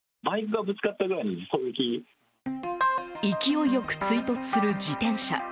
勢いよく追突する自転車。